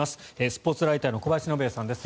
スポーツライターの小林信也さんです。